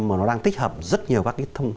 mà nó đang thích hợp rất nhiều